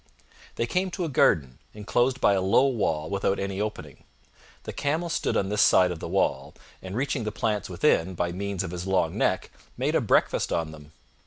They came to a garden, inclosed by a low wall without any opening. The Camel stood on this side of the wall, and reaching the plants within by means of his long neck, made a breakfast on them.